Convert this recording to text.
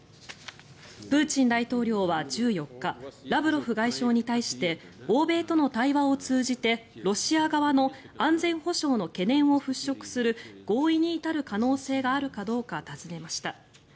プーチン大統領は１４日ラブロフ外相に対して欧米との対話を通じてロシア側の安全保障の懸念を払しょくする合意に至る可能性があるかどうか尋ねました。